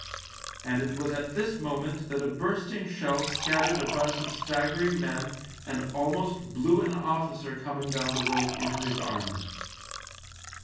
And it was at this moment that a bursting shell scattered a bunch of staggering men and almost blew an officer coming down the road into his arms.